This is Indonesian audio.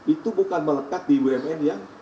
itu bukan melekat di bumn yang